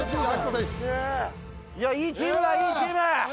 いいチームだ、いいチーム！